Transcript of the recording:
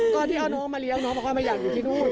ตอนที่เอาน้องมาเลี้ยงน้องบอกว่าไม่อยากอยู่ที่นู่น